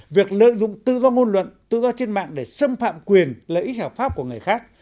việc lợi dụng tự do ngôn luận tự do trên mạng để xâm phạm quyền lợi ích hợp pháp của người khác